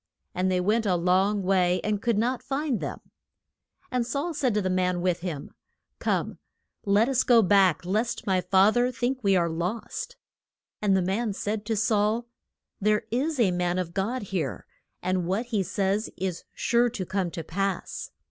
And they went a long way and could not find them. And Saul said to the man with him, Come, let us go back, lest my fath er think we are lost. [Illustration: THE STONE OF HELP.] And the man said to Saul, There is a man of God here, and what he says is sure to come to pass.